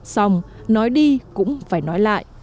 xong nói đi cũng phải nói lại